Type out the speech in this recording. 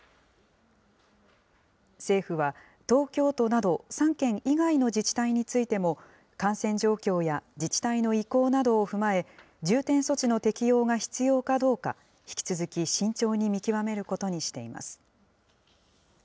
政府は、東京都など３県以外の自治体についても、感染状況や自治体の意向などを踏まえ、重点措置の適用が必要かどうか、引き続き慎重に見極めることにしています。